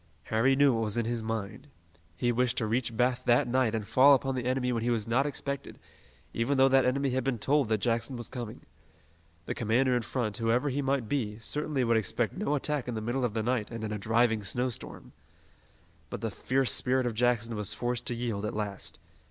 Harry knew what was in his mind. He wished to reach Bath that night and fall upon the enemy when he was not expected, even though that enemy had been told that Jackson was coming. The commander in front, whoever he might be, certainly would expect no attack in the middle of the night and in a driving snowstorm. But the fierce spirit of Jackson was forced to yield at last.